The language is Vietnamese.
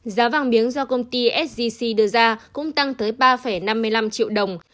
giá vàng miếng do công ty sgc đưa ra cũng tăng tới ba năm mươi năm triệu đồng